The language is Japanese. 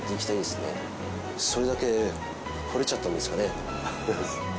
それだけほれちゃったんですよね。